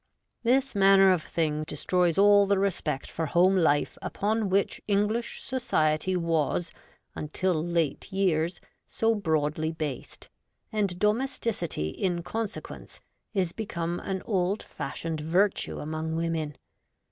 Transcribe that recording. This manner of thing destroys all the respect for home life upon which English society was, until late years, so broadly based, and domesticity in conse quence is become an old fashioned virtue among women.